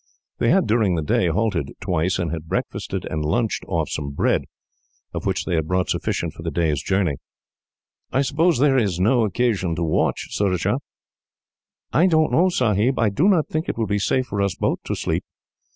They had, during the day, halted twice; and had breakfasted and lunched off some bread, of which they had brought sufficient for the day's journey. "I suppose there is no occasion to watch, Surajah?" "I don't know, Sahib. I do not think it will be safe for us both to sleep.